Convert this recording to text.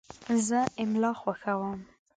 زه املا خوښوم.